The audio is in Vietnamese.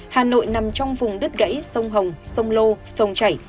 hà nội nằm trong vùng đứt gáy sông hồng sông lô sông chảy